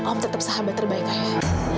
kamu tetap sahabat terbaik ayah